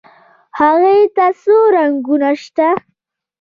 هغې ته څو رنګونه شته.